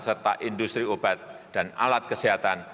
serta industri obat dan alat kesehatan